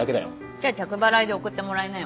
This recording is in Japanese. じゃあ着払いで送ってもらいなよ。